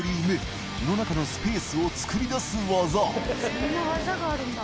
そんな技があるんだ。